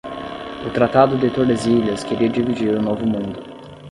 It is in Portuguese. O tratado de Tordesilhas queria dividir o novo mundo.